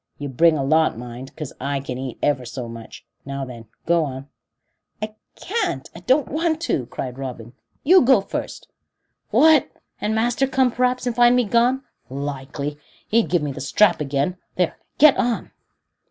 You bring a lot, mind, 'cause I can eat ever so much. Now then, go on." "I can't I don't want to," cried Robin. "You go first." "What, and master come, p'raps, and find me gone! Likely! he'd give me the strap again. There, get on."